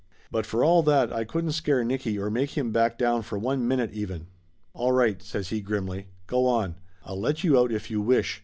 But for all that I couldn't scare Nicky or make him back down for one minute, even. "All right !" says he grimly. "Go on. I'll let you out if you wish.